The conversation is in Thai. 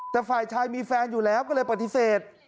แต่ฝ่ายชายมีแฟนอยู่แล้วก็เลยปฏิเสธ